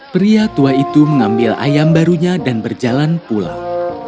pria tua itu mengambil ayam barunya dan berjalan pulang